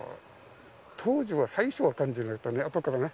当時は、最初は感じなかったね。